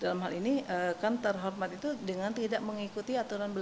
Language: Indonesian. dalam hal ini kan terhormat itu dengan tidak mengikuti aturan